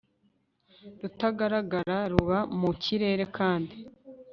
rutagaragara ruba mu kirere kandi